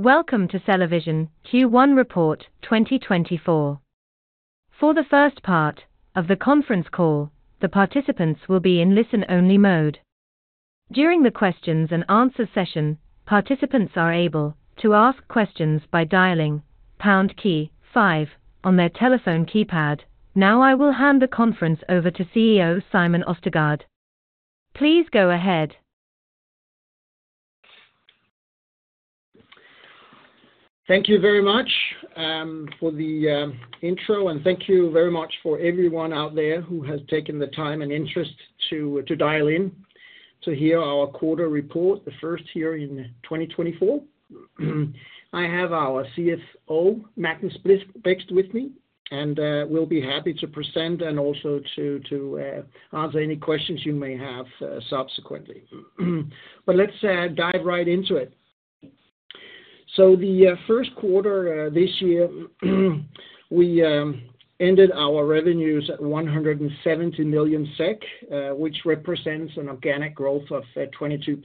Welcome to CellaVision Q1 2024 Report. For the first part of the conference call, the participants will be in listen-only mode. During the questions and answer session, participants are able to ask questions by dialing pound key five on their telephone keypad. Now, I will hand the conference over to CEO Simon Østergaard. Please go ahead. Thank you very much for the intro, and thank you very much for everyone out there who has taken the time and interest to dial in to hear our quarter report, the first here in 2024. I have our CFO, Magnus Blixt with me, and we'll be happy to present and also to answer any questions you may have subsequently. But let's dive right into it. So the Q1 this year, we ended our revenues at 170 million SEK, which represents an organic growth of 22%,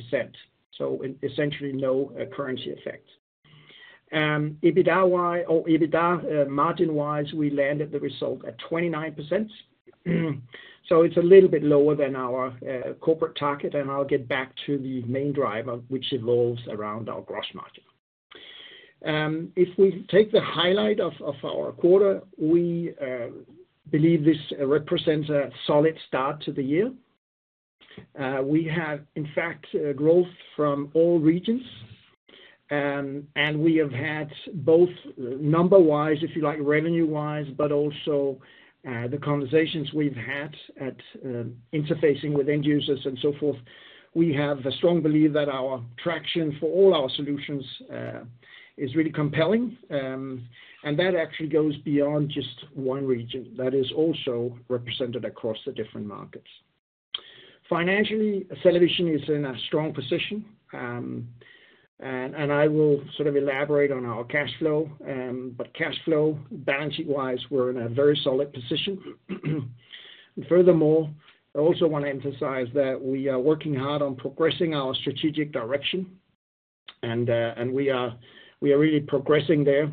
so essentially no currency effect. EBITDA-wise or EBITDA margin-wise, we landed the result at 29%. So it's a little bit lower than our corporate target, and I'll get back to the main driver, which revolves around our gross margin. If we take the highlight of our quarter, we believe this represents a solid start to the year. We have, in fact, growth from all regions. And we have had both number-wise, if you like, revenue-wise, but also the conversations we've had at interfacing with end users and so forth. We have a strong belief that our traction for all our solutions is really compelling. And that actually goes beyond just one region, that is also represented across the different markets. Financially, CellaVision is in a strong position, and I will sort of elaborate on our cash flow. But cash flow balance sheet-wise, we're in a very solid position. Furthermore, I also want to emphasize that we are working hard on progressing our strategic direction, and we are really progressing there.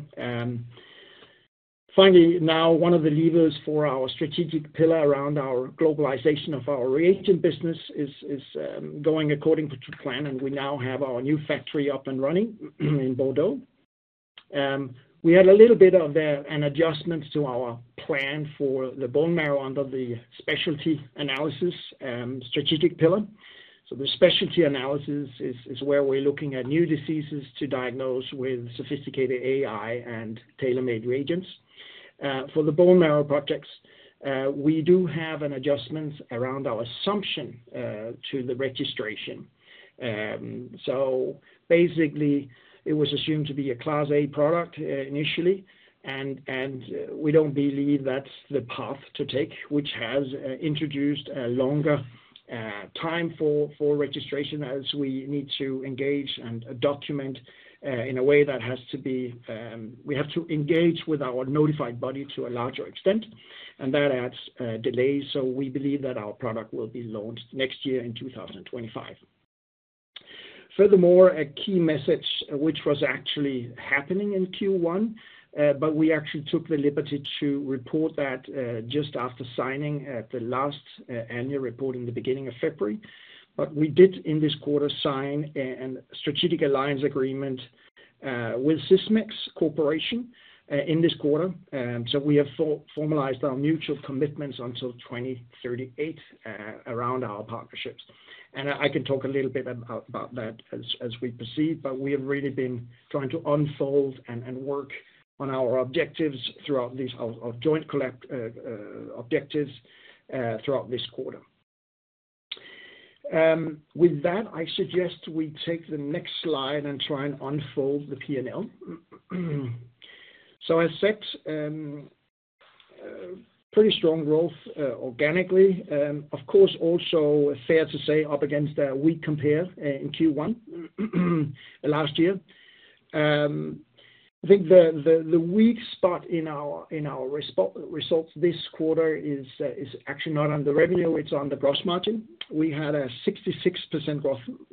Finally, now, one of the levers for our strategic pillar around our globalization of our reagent business is going according to plan, and we now have our new factory up and running in Bordeaux. We had a little bit of an adjustment to our plan for the bone marrow under the specialty analysis and strategic pillar. So the specialty analysis is where we're looking at new diseases to diagnose with sophisticated AI and tailor-made reagents. For the bone marrow projects, we do have an adjustment around our assumption to the registration. So basically, it was assumed to be a Class A product initially, and we don't believe that's the path to take, which has introduced a longer time for registration as we need to engage and document in a way that has to be... We have to engage with our notified body to a larger extent, and that adds delays. So we believe that our product will be launched next year in 2025. Furthermore, a key message which was actually happening in Q1, but we actually took the liberty to report that just after signing at the last annual report in the beginning of February. But we did, in this quarter, sign a strategic alliance agreement with Sysmex Corporation in this quarter. So we have formalized our mutual commitments until 2038 around our partnerships. And I can talk a little bit about that as we proceed, but we have really been trying to unfold and work on our objectives throughout these, our joint collective objectives throughout this quarter. With that, I suggest we take the next slide and try and unfold the P&L. So as said, pretty strong growth organically. Of course, also fair to say, up against a weak compare in Q1 last year. I think the weak spot in our results this quarter is actually not on the revenue, it's on the gross margin. We had a 66%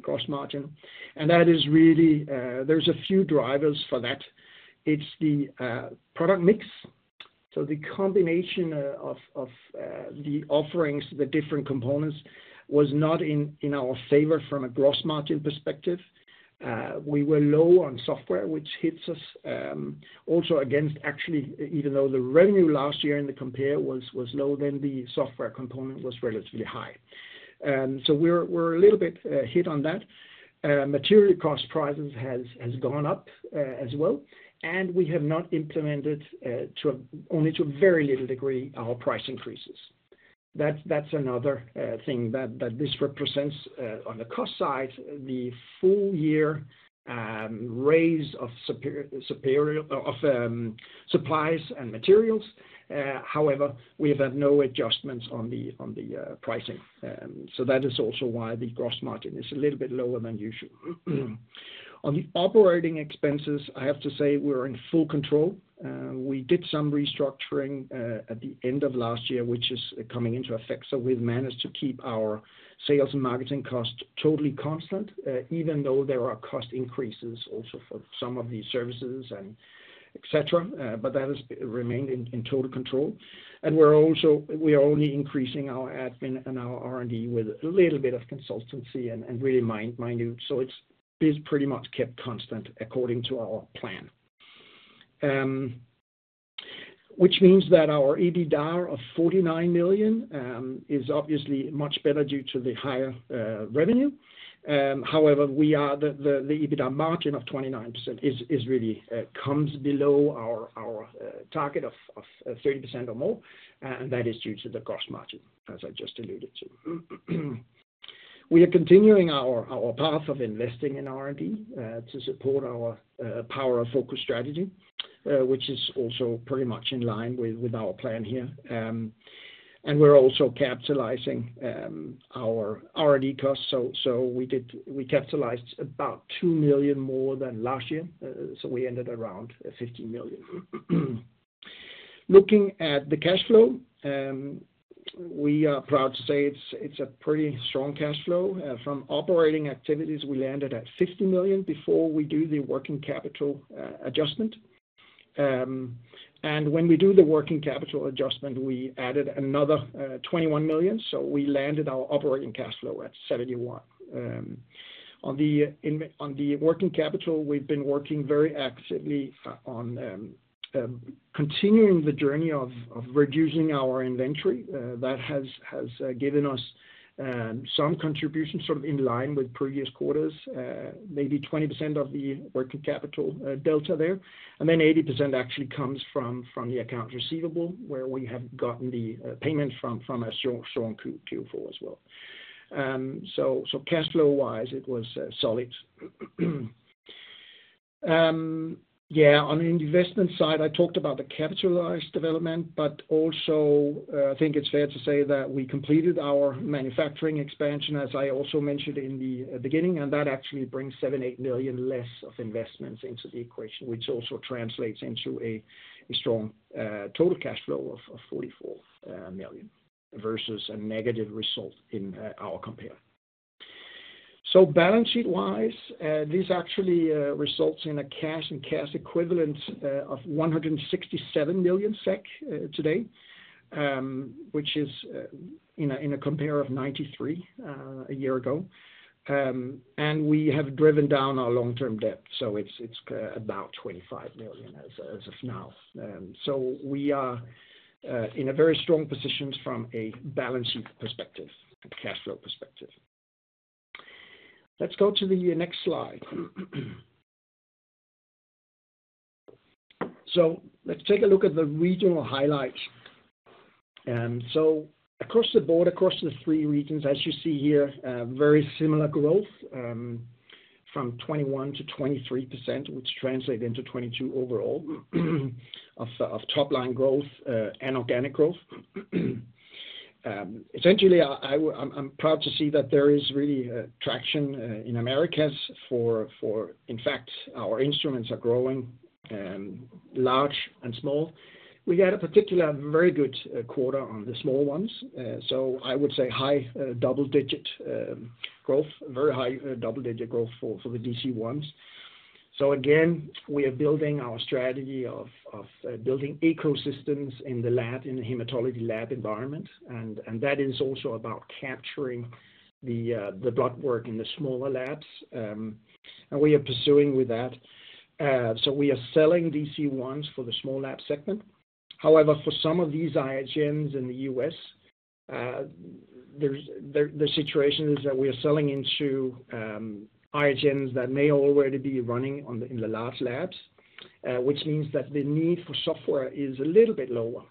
gross margin, and that is really... There's a few drivers for that. It's the product mix. So the combination of the offerings, the different components, was not in our favor from a gross margin perspective. We were low on software, which also hits us, actually, even though the revenue last year in the compare was low, then the software component was relatively high. So we're a little bit hit on that. Material cost prices has gone up, as well, and we have not implemented, to only a very little degree, our price increases. That's another thing that this represents on the cost side, the full year rise of supplier prices of supplies and materials. However, we have had no adjustments on the pricing. So that is also why the gross margin is a little bit lower than usual. On the operating expenses, I have to say we're in full control. We did some restructuring at the end of last year, which is coming into effect, so we've managed to keep our sales and marketing costs down, totally constant, even though there are cost increases also for some of these services and et cetera. But that has remained in total control. And we're also only increasing our admin and our R&D with a little bit of consultancy and really minute. So it's pretty much kept constant according to our plan. Which means that our EBITDA of 49 million is obviously much better due to the higher revenue. However, the EBITDA margin of 29% is really comes below our target of 30% or more, and that is due to the gross margin, as I just alluded to. We are continuing our path of investing in R&D to support our Power of Focus strategy, which is also pretty much in line with our plan here. And we're also capitalizing our R&D costs. So we capitalized about 2 million more than last year, so we ended around 15 million. Looking at the cash flow, we are proud to say it's a pretty strong cash flow. From operating activities, we landed at 60 million before we do the working capital adjustment. And when we do the working capital adjustment, we added another 21 million, so we landed our operating cash flow at 71 million. On the working capital, we've been working very actively on continuing the journey of reducing our inventory. That has given us some contribution, sort of in line with previous quarters, maybe 20% of the working capital delta there. And then 80% actually comes from the accounts receivable, where we have gotten the payments from a strong Q4 as well. So cash flow-wise, it was solid. Yeah, on the investment side, I talked about the capitalized development, but also I think it's fair to say that we completed our manufacturing expansion, as I also mentioned in the beginning, and that actually brings 7-8 million less of investments into the equation, which also translates into a strong total cash flow of 44 million, versus a negative result in our compare. So balance sheet-wise, this actually results in a cash and cash equivalent of 167 million SEK today, which is in comparison to 93 million SEK a year ago. We have driven down our long-term debt, so it's about 25 million SEK as of now. So we are in a very strong position from a balance sheet perspective and cash flow perspective. Let's go to the next slide. So let's take a look at the regional highlights. So across the board, across the three regions, as you see here, very similar growth from 21%-23%, which translate into 22% overall of top line growth and organic growth. Essentially, I'm proud to see that there is really traction in Americas for... In fact, our instruments are growing, large and small. We had a particular very good quarter on the small ones. So I would say high double-digit growth, very high double-digit growth for the DC-1s. So again, we are building our strategy of building ecosystems in the lab, in the hematology lab environment. And that is also about capturing the blood work in the smaller labs. And we are pursuing with that. So we are selling DC-1s for the small lab segment. However, for some of these IHNs in the U.S., there's the situation is that we are selling into IHNs that may already be running in the large labs, which means that the need for software is a little bit lower.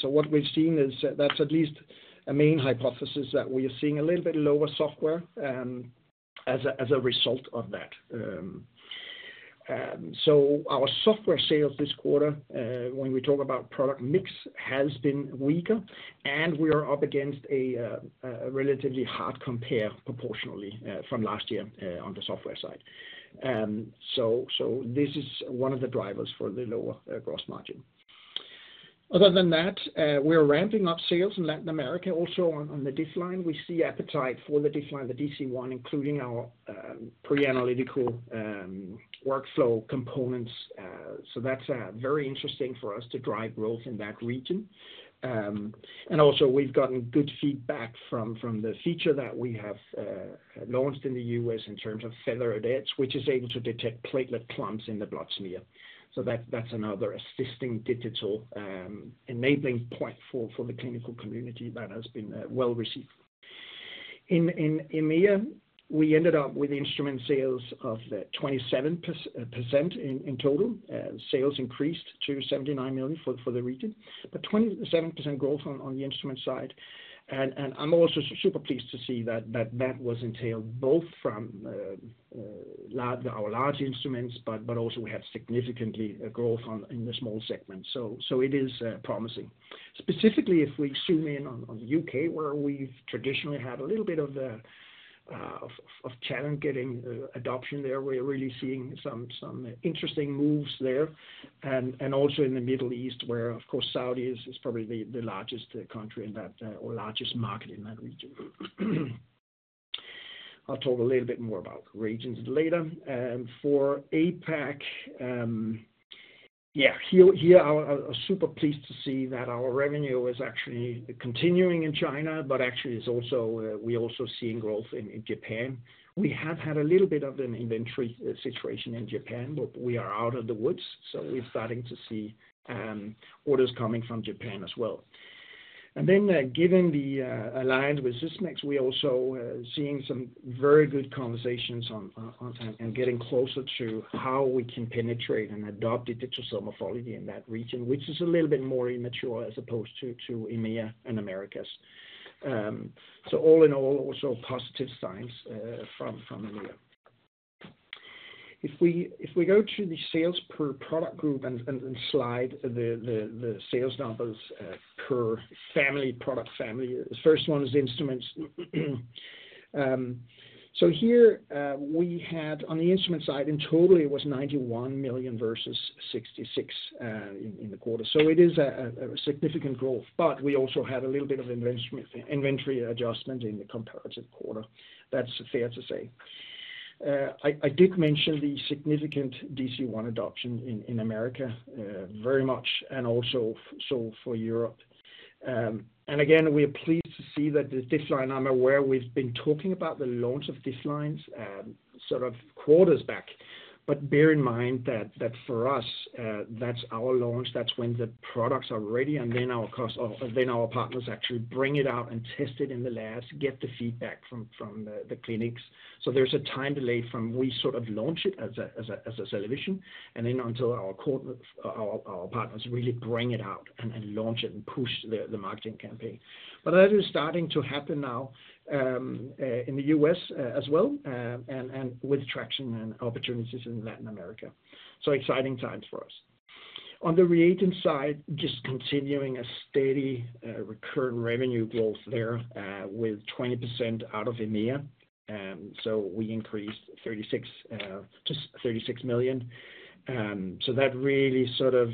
So what we've seen is that's at least a main hypothesis, that we are seeing a little bit lower software as a result of that. And so our software sales this quarter, when we talk about product mix, has been weaker, and we are up against a relatively hard compare proportionally from last year on the software side. So this is one of the drivers for the lower gross margin. Other than that, we are ramping up sales in Latin America, also on the DIFF-Line. We see appetite for the DIFF-Line, the DC-1, including our pre-analytical workflow components. So that's very interesting for us to drive growth in that region. And also we've gotten good feedback from the feature that we have launched in the U.S. in terms of feathered edge, which is able to detect platelet clumps in the blood smear. So that's another assisting digital enabling point for the clinical community that has been well received. In EMEA, we ended up with instrument sales of 27% in total. Sales increased to 79 million for the region, but 27% growth on the instrument side. And I'm also super pleased to see that that was entailed both from our large instruments, but also we had significantly a growth in the small segment. So it is promising. Specifically, if we zoom in on the UK, where we've traditionally had a little bit of a challenge getting adoption there. We're really seeing some interesting moves there. And also in the Middle East, where, of course, Saudi is probably the largest country in that or largest market in that region. I'll talk a little bit more about regions later. For APAC, yeah, here I was super pleased to see that our revenue is actually continuing in China, but actually is also, we're also seeing growth in Japan. We have had a little bit of an inventory situation in Japan, but we are out of the woods, so we're starting to see orders coming from Japan as well. And then, given the alliance with Sysmex, we're also seeing some very good conversations on time and getting closer to how we can penetrate and adopt digital cell morphology in that region, which is a little bit more immature as opposed to EMEA and Americas. So all in all, also positive signs from EMEA. If we go to the sales per product group and slide the sales numbers per family, product family. The first one is instruments. So here, we had on the instrument side, in total it was 91 million versus 66 million in the quarter. So it is a significant growth, but we also had a little bit of inventory adjustment in the comparative quarter. That's fair to say. I did mention the significant DC-1 adoption in America very much, and also for Europe. And again, we are pleased to see that the DIFF-Line. I'm aware we've been talking about the launch of DIFF-Lines sort of quarters back. But bear in mind that for us, that's our launch, that's when the products are ready, and then, of course, then our partners actually bring it out and test it in the labs, get the feedback from the clinics. So there's a time delay from we sort of launch it as a solution, and then until our partners really bring it out and launch it and push the marketing campaign. But that is starting to happen now in the U.S. as well, and with traction and opportunities in Latin America. So exciting times for us. On the reagent side, just continuing a steady recurrent revenue growth there with 20% out of EMEA, so we increased 36% to 36 million. So that really sort of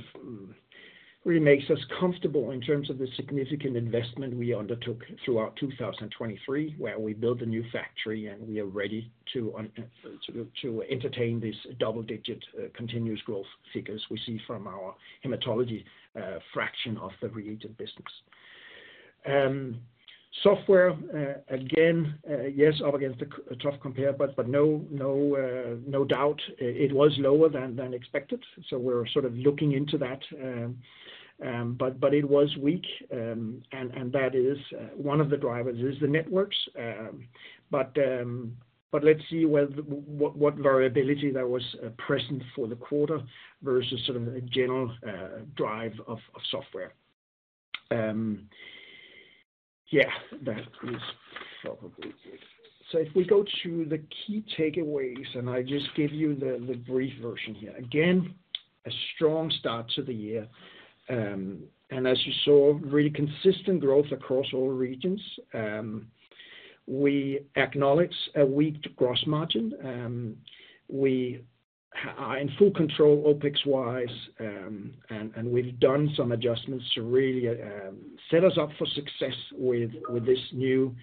really makes us comfortable in terms of the significant investment we undertook throughout 2023, where we built a new factory, and we are ready to entertain this double-digit continuous growth figures we see from our hematology fraction of the reagent business. Software again yes up against a tough compare, but no doubt it was lower than expected, so we're sort of looking into that. But it was weak, and that is one of the drivers is the networks. But let's see whether what variability that was present for the quarter versus sort of a general drive of software. Yeah, that is probably good. So if we go to the key takeaways, and I just give you the brief version here. Again, a strong start to the year. And as you saw, really consistent growth across all regions. We acknowledge a weak gross margin. We are in full control OpEx-wise, and we've done some adjustments to really set us up for success with this new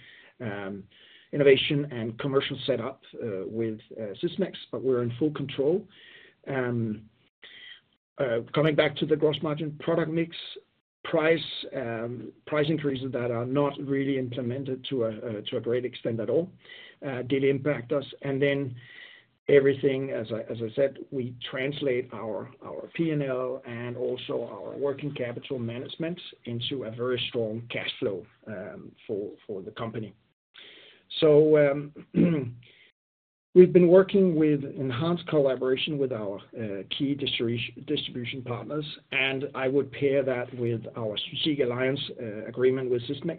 innovation and commercial setup with Sysmex, but we're in full control. Coming back to the gross margin product mix, price, price increases that are not really implemented to a, to a great extent at all, did impact us. Then everything, as I, as I said, we translate our, our P&L and also our working capital management into a very strong cash flow, for, for the company. We've been working with enhanced collaboration with our, key distribution partners, and I would pair that with our strategic alliance, agreement with Sysmex.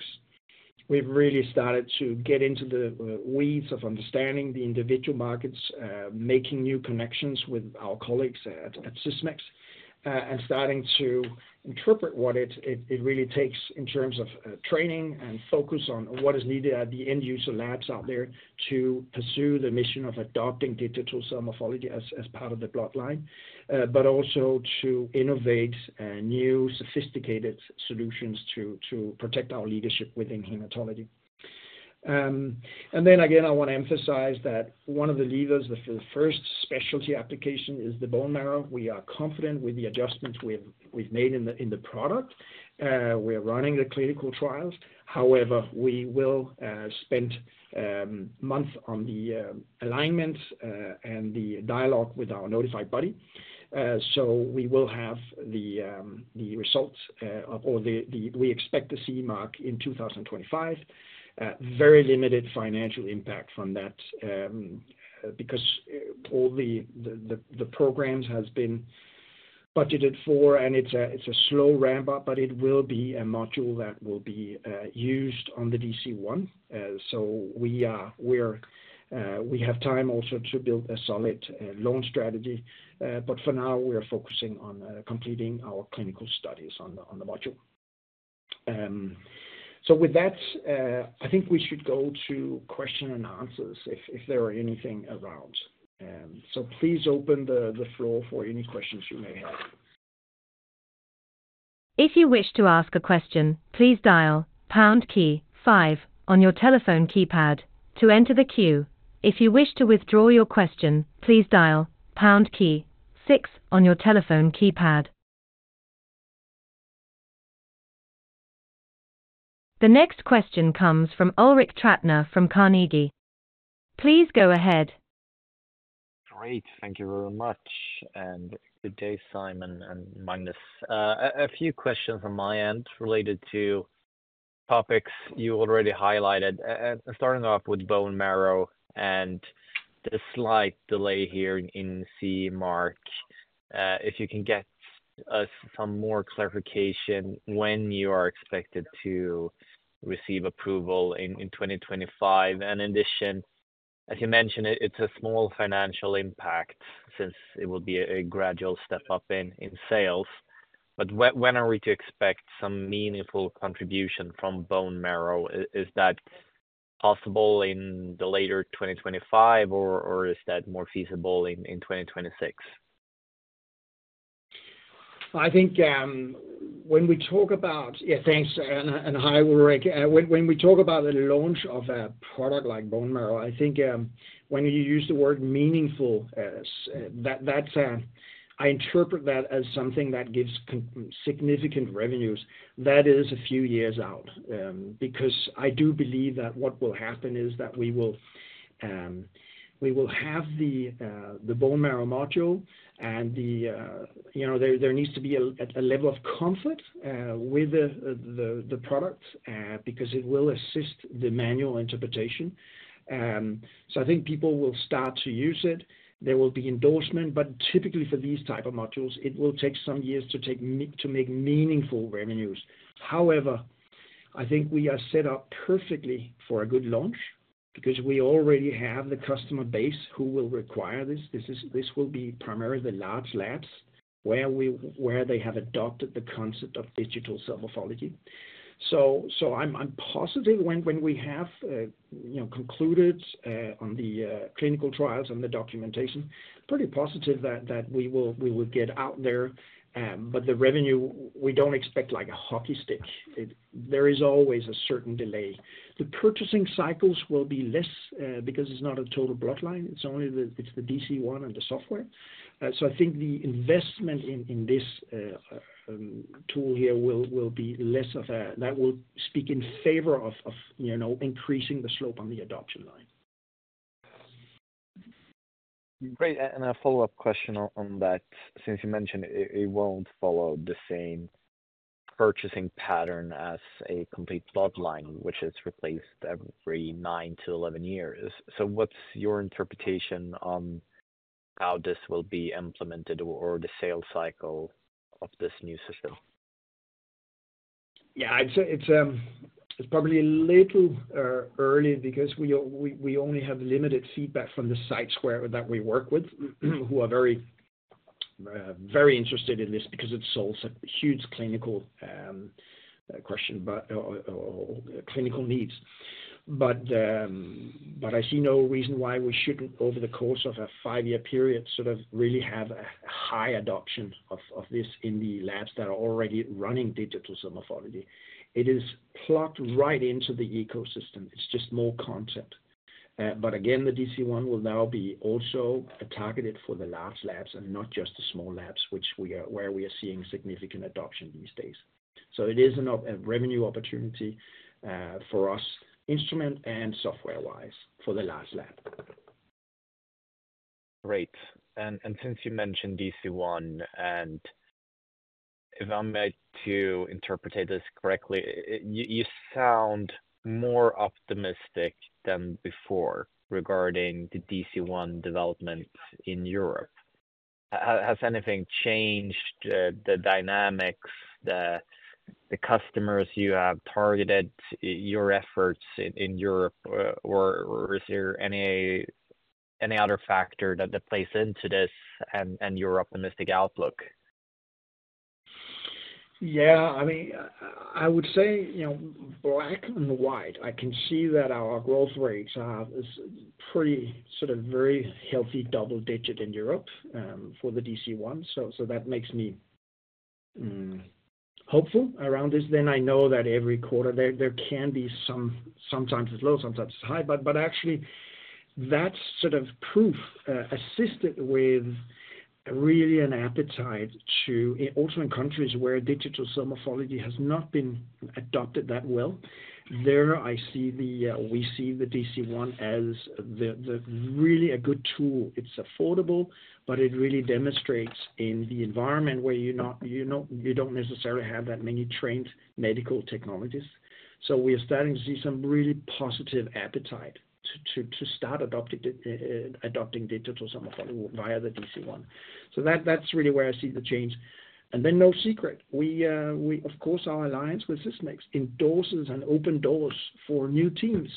We've really started to get into the weeds of understanding the individual markets, making new connections with our colleagues at Sysmex, and starting to interpret what it really takes in terms of training and focus on what is needed at the end user labs out there to pursue the mission of adopting digital cell morphology as part of the blood line. But also to innovate new sophisticated solutions to protect our leadership within hematology. And then again, I want to emphasize that one of the leaders for the first specialty application is the bone marrow. We are confident with the adjustments we've made in the product. We are running the clinical trials. However, we will spend month on the alignment and the dialogue with our notified body. So we will have the results, or the... We expect to see CE mark in 2025. Very limited financial impact from that, because all the programs has been budgeted for, and it's a slow ramp-up, but it will be a module that will be used on the DC-1. So we are, we're, we have time also to build a solid launch strategy, but for now, we are focusing on completing our clinical studies on the module. So with that, I think we should go to question and answers if there are anything around. So please open the floor for any questions you may have. If you wish to ask a question, please dial pound key five on your telephone keypad to enter the queue. If you wish to withdraw your question, please dial pound key six on your telephone keypad. The next question comes from Ulrik Trattner from Carnegie. Please go ahead. Great. Thank you very much, and good day, Simon and Magnus. A few questions from my end related to topics you already highlighted. And starting off with bone marrow and the slight delay here in CE mark. If you can get us some more clarification when you are expected to receive approval in 2025. And in addition, as you mentioned, it's a small financial impact since it will be a gradual step up in sales. But when are we to expect some meaningful contribution from bone marrow? Is that possible in the later 2025, or is that more feasible in 2026? I think, when we talk about... Yeah, thanks, and hi, Ulrik. When we talk about the launch of a product like bone marrow, I think, when you use the word meaningful, that, that's, I interpret that as something that gives significant revenues. That is a few years out, because I do believe that what will happen is that we will have the bone marrow module and, you know, there needs to be a level of comfort with the product, because it will assist the manual interpretation. So I think people will start to use it. There will be endorsement, but typically for these type of modules, it will take some years to make meaningful revenues. However, I think we are set up perfectly for a good launch because we already have the customer base who will require this. This will be primarily the large labs, where they have adopted the concept of digital cell morphology. So, I'm positive when we have, you know, concluded on the clinical trials and the documentation, pretty positive that we will get out there, but the revenue, we don't expect like a hockey stick. It, there is always a certain delay. The purchasing cycles will be less, because it's not a total bloodline, it's only the, it's the DC-1 and the software. So I think the investment in this tool here will be less of a... That will speak in favor of, you know, increasing the slope on the adoption line. Great. And a follow-up question on that, since you mentioned it, it won't follow the same purchasing pattern as a complete blood line, which is replaced every 9-11 years. So what's your interpretation on how this will be implemented or the sales cycle of this new system? Yeah, I'd say it's, it's probably a little early because we only have limited feedback from the sites where that we work with, who are very, very interested in this because it solves a huge clinical question, but, or, or, or clinical needs. But, but I see no reason why we shouldn't, over the course of a five-year period, sort of really have a high adoption of, of this in the labs that are already running digital morphology. It is plugged right into the ecosystem. It's just more content. But again, the DC-1 will now be also targeted for the large labs and not just the small labs, where we are seeing significant adoption these days. So it is a, a revenue opportunity, for us, instrument and software wise, for the large lab. Great. And since you mentioned DC-1, and if I'm meant to interpret this correctly, you sound more optimistic than before regarding the DC-1 development in Europe. Has anything changed, the dynamics, the customers you have targeted, your efforts in Europe, or is there any other factor that plays into this and your optimistic outlook? Yeah, I mean, I would say, you know, black and white, I can see that our growth rates are, is pretty sort of very healthy, double digit in Europe, for the DC-1. So that makes me hopeful around this. Then I know that every quarter there can be some, sometimes it's low, sometimes it's high. But actually that's sort of proof assisted with really an appetite to... Also in countries where digital morphology has not been adopted that well. There, we see the DC-1 as the really a good tool. It's affordable, but it really demonstrates in the environment where you, you know, you don't necessarily have that many trained medical technologists. So we are starting to see some really positive appetite to start adopting digital morphology via the DC-1. So that, that's really where I see the change. And then, no secret, we of course, our alliance with Sysmex endorses and open doors for new teams,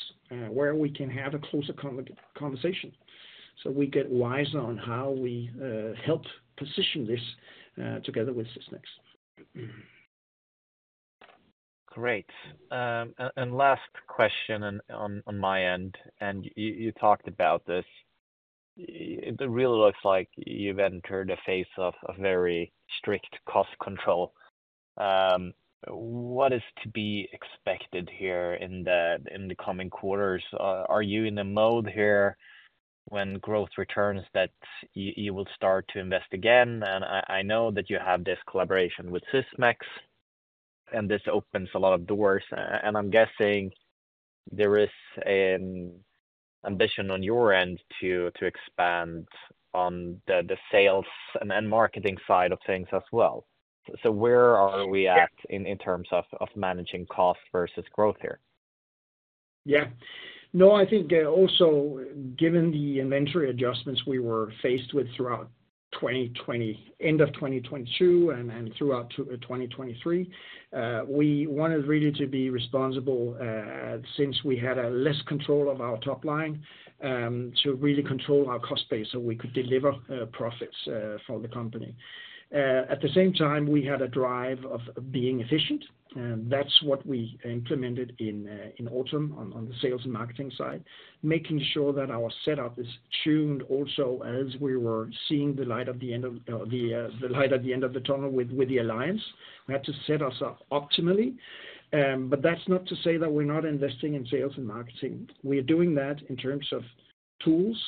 where we can have a closer conversation, so we get wiser on how we help position this together with Sysmex.... Great. And last question on my end, and you talked about this. It really looks like you've entered a phase of very strict cost control. What is to be expected here in the coming quarters? Are you in a mode here when growth returns, that you will start to invest again? And I know that you have this collaboration with Sysmex, and this opens a lot of doors, and I'm guessing there is an ambition on your end to expand on the sales and marketing side of things as well. So where are we at in terms of managing cost versus growth here? Yeah. No, I think, also given the inventory adjustments we were faced with throughout twenty twenty-- end of 2022 and, and throughout 2023, we wanted really to be responsible, since we had less control of our top line, to really control our cost base so we could deliver profits for the company. At the same time, we had a drive of being efficient, and that's what we implemented in, in autumn on, on the sales and marketing side, making sure that our setup is tuned also as we were seeing the light at the end of the tunnel with, with the alliance. We had to set ourselves up optimally. But that's not to say that we're not investing in sales and marketing. We are doing that in terms of tools,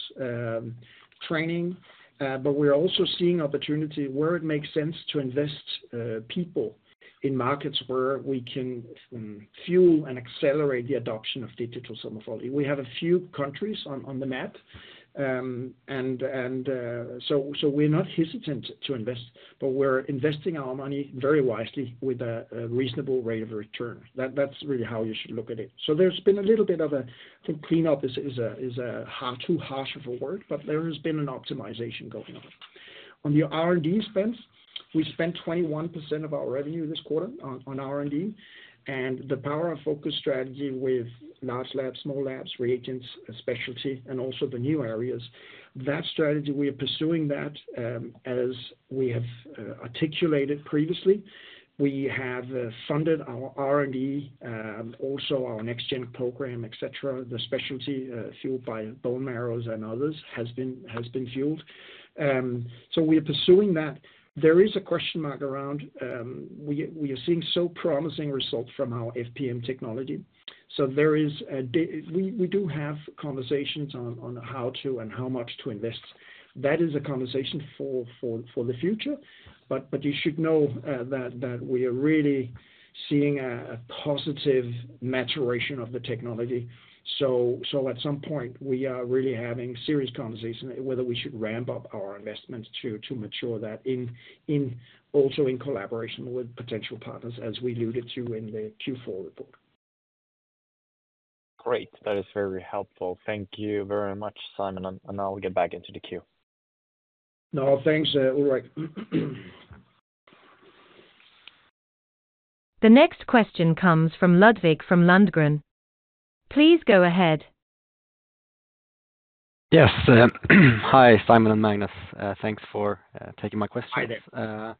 training, but we're also seeing opportunity where it makes sense to invest, people in markets where we can, fuel and accelerate the adoption of digital morphology. We have a few countries on the map, and so we're not hesitant to invest, but we're investing our money very wisely with a reasonable rate of return. That's really how you should look at it. So there's been a little bit of a, I think cleanup is a too harsh of a word, but there has been an optimization going on. On the R&D spends, we spent 21% of our revenue this quarter on R&D, and the power of focus strategy with large labs, small labs, reagents, specialty, and also the new areas. That strategy, we are pursuing that, as we have articulated previously. We have funded our R&D, also our next-gen program, et cetera. The specialty, fueled by bone marrows and others, has been fueled. So we are pursuing that. There is a question mark around, we are seeing so promising results from our FPM technology, so there we do have conversations on how to and how much to invest. That is a conversation for the future, but you should know, that we are really seeing a positive maturation of the technology. So at some point, we are really having serious conversation whether we should ramp up our investments to mature that in, also in collaboration with potential partners, as we alluded to in the Q4 report. Great. That is very helpful. Thank you very much, Simon, and, and I'll get back into the queue. No, thanks, Ulrik. The next question comes from Ludvig Lundgren. Please go ahead. Yes. Hi, Simon and Magnus. Thanks for taking my questions. Hi there.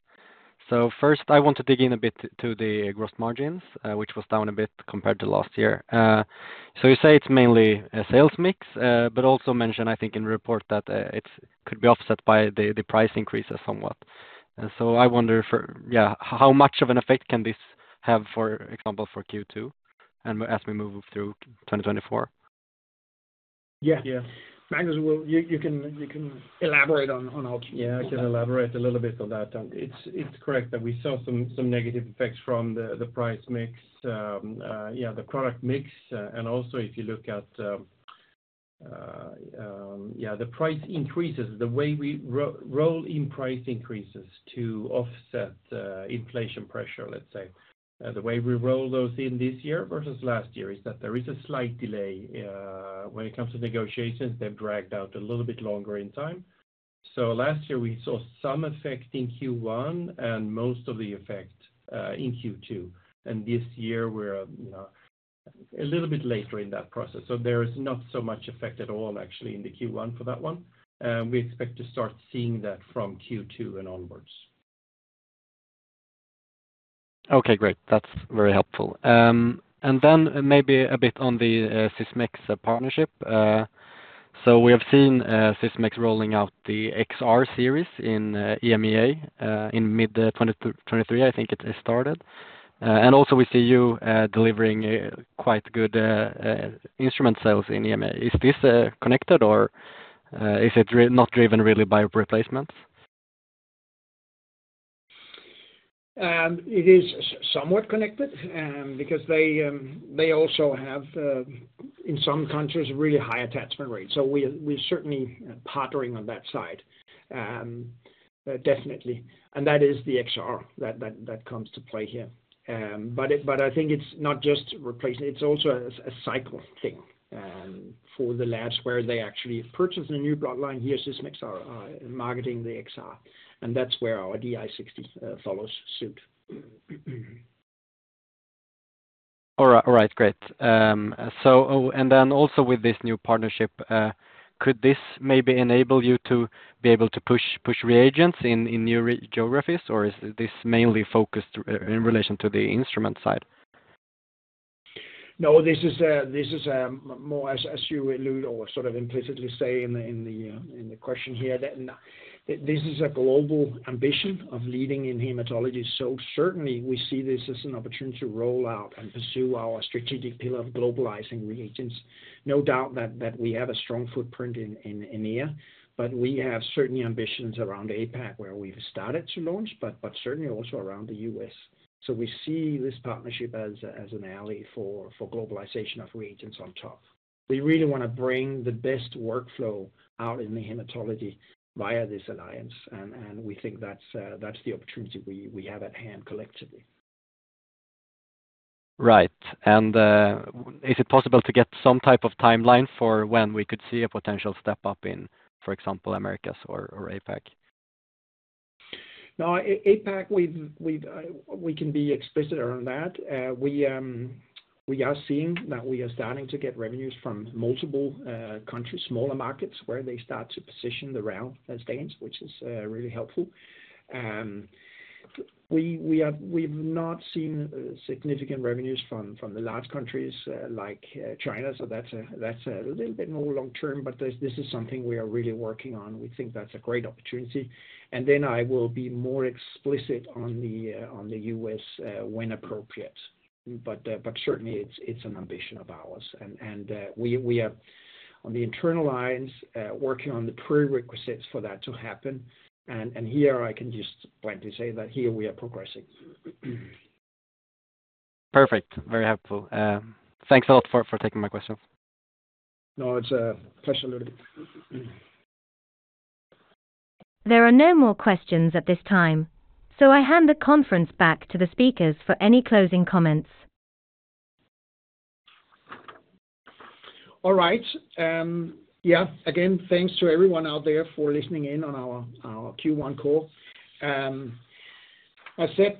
So first, I want to dig in a bit to the gross margins, which was down a bit compared to last year. So you say it's mainly a sales mix, but also mention, I think, in report that, it's could be offset by the price increases somewhat. And so I wonder for, yeah, how much of an effect can this have, for example, for Q2 and as we move through 2024? Yeah. Yeah. Magnus, well, you can elaborate on how- Yeah, I can elaborate a little bit on that. It's correct that we saw some negative effects from the price mix, yeah, the product mix, and also if you look at the price increases. The way we roll in price increases to offset inflation pressure, let's say. The way we roll those in this year versus last year is that there is a slight delay when it comes to negotiations, they've dragged out a little bit longer in time. So last year, we saw some effect in Q1 and most of the effect in Q2, and this year we're, you know, a little bit later in that process. So there is not so much effect at all, actually, in the Q1 for that one. We expect to start seeing that from Q2 and onwards. Okay, great. That's very helpful. And then maybe a bit on the Sysmex partnership. So we have seen Sysmex rolling out the XR-Series in EMEA in mid-2023, I think it started. And also we see you delivering a quite good instrument sales in EMEA. Is this connected or is it not driven really by replacements? It is somewhat connected, because they also have in some countries really high attachment rates. So we're certainly partnering on that side. Definitely. And that is the XR that comes to play here. But I think it's not just replacement, it's also a cycle thing, for the labs where they actually purchase the new blood line; here, Sysmex are marketing the XR, and that's where our DI-60 follows suit.... All right, great. So, oh, and then also with this new partnership, could this maybe enable you to be able to push reagents in new geographies, or is this mainly focused in relation to the instrument side? No, this is more as you allude or sort of implicitly say in the question here, that this is a global ambition of leading in hematology. So certainly we see this as an opportunity to roll out and pursue our strategic pillar of globalizing reagents. No doubt that we have a strong footprint in India, but we have certainly ambitions around APAC, where we've started to launch, but certainly also around the U.S. So we see this partnership as an ally for globalization of reagents on top. We really wanna bring the best workflow out in the hematology via this alliance, and we think that's the opportunity we have at hand collectively. Right. And is it possible to get some type of timeline for when we could see a potential step up in, for example, Americas or, or APAC? No, APAC, we've, we can be explicit on that. We are seeing that we are starting to get revenues from multiple countries, smaller markets, where they start to position the reagents, which is really helpful. We have—we've not seen significant revenues from the large countries, like China, so that's a little bit more long term, but this is something we are really working on. We think that's a great opportunity. And then I will be more explicit on the U.S. when appropriate. But certainly it's an ambition of ours. And we are on the internal timelines working on the prerequisites for that to happen. And here I can just plainly say that here we are progressing. Perfect. Very helpful. Thanks a lot for taking my question. No, it's a pleasure, Ludvig. There are no more questions at this time, so I hand the conference back to the speakers for any closing comments. All right. Yeah, again, thanks to everyone out there for listening in on our Q1 call. I said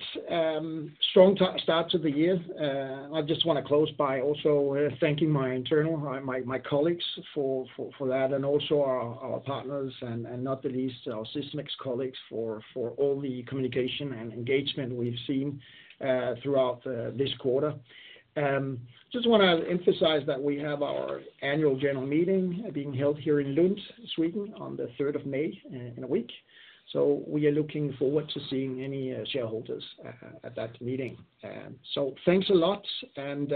strong start to the year. I just wanna close by also thanking my internal colleagues for that, and also our partners, and not the least, our Sysmex colleagues for all the communication and engagement we've seen throughout this quarter. Just wanna emphasize that we have our annual general meeting being held here in Lund, Sweden, on the third of May, in a week. So we are looking forward to seeing any shareholders at that meeting. So thanks a lot, and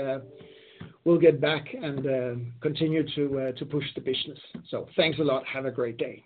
we'll get back and continue to push the business. So thanks a lot. Have a great day.